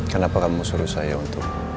kenapa kamu suruh saya untuk